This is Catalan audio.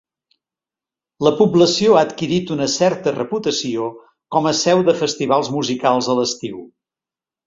La població ha adquirit una certa reputació com a seu de festivals musicals a l'estiu.